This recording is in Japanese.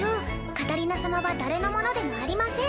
カタリナ様は誰のものでもありません。